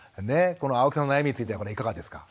この青木さんの悩みについてはいかがですか？